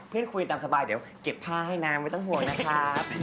คุยตามสบายเดี๋ยวเก็บผ้าให้นางไม่ต้องห่วงนะครับ